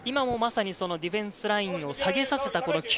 今もディフェンスラインを下げさせた。